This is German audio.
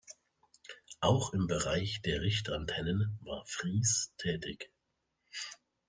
Auch im Bereich der Richtantennen war Friis tätig.